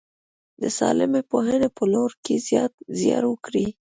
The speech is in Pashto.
د سالمې پوهنې په لوړولو کې زیار وکړي.